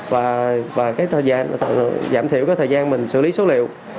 và giảm thiểu thời gian xử lý số liệu